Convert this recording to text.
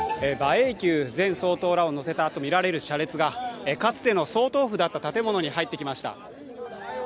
英九前総統らを乗せたとみられる車列がかつての総統府だった建物に入ってきました。